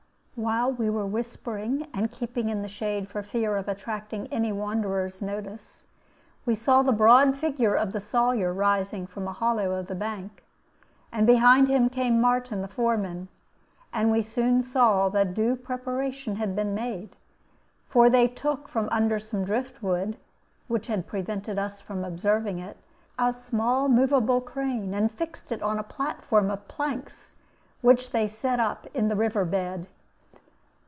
While we were whispering and keeping in the shade for fear of attracting any wanderer's notice, we saw the broad figure of the Sawyer rising from a hollow of the bank, and behind him came Martin the foreman, and we soon saw that due preparation had been made, for they took from under some drift wood (which had prevented us from observing it) a small movable crane, and fixed it on a platform of planks which they set up in the river bed.